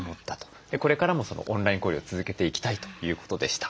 これからもオンライン交流を続けていきたいということでした。